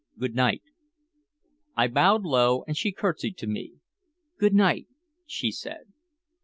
Good night." I bowed low, and she curtsied to me. "Good night," she said.